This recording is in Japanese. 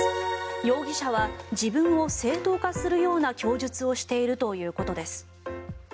容疑者は自分を正当化するような供述をしているということです。